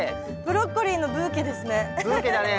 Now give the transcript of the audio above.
ブロッコリーのブーケですね。